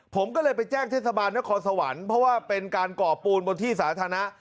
ผมก็เลยไปแจ้งเทศบาลนครสวรรค์เพราะว่าเป็นการก่อปูนบนที่สาธารณะ